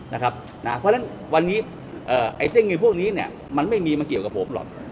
เพราะฉะนั้นวันนี้เส้นเงินพวกนี้มันไม่มีมาเกี่ยวกับผมหรอก